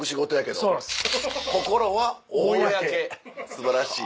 素晴らしい。